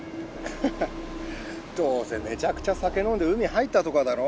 ハハッどうせめちゃくちゃ酒飲んで海入ったとかだろ？